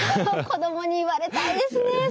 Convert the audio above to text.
子どもに言われたいですね